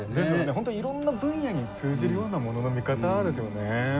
本当にいろんな分野に通じるようなものの見方ですよね。